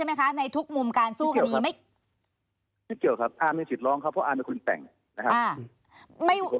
ไม่เกี่ยวครับอาร์มยังสิทธิ์ร้องครับเพราะอาร์มเป็นคนแต่งนะครับ